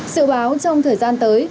sự báo trong thời gian tới